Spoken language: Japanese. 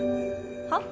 はっ？